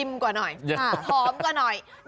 ๔เมตร